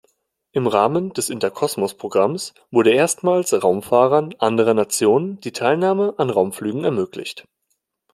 Im Rahmen des Interkosmos-Programms wurde erstmals Raumfahrern anderer Nationen die Teilnahme an Raumflügen ermöglicht.